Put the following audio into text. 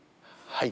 はい。